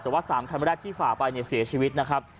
แต่ว่า๓คันแรกที่ฝ่าไปเนี่ยเสียชีวิตนะครับ